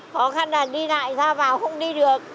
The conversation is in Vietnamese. khó khăn là đi lại ra vào không đi được